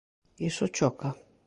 Iso choca.